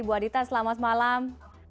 ibu adita selamat malam